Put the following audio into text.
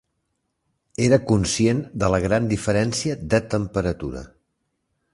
Era conscient de la gran diferència de temperatura.